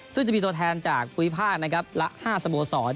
ซึ่งจะมีตัวแทนจากภูมิภาคนะครับละ๕สโมสร